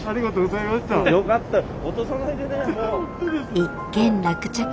一件落着。